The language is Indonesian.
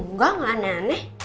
nggak gak aneh aneh